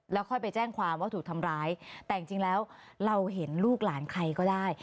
แล้วค่อยไปแจ้งความว่าถูกทำร้ายแต่จริงแล้วเราเห็นลูกหลานใครก็ได้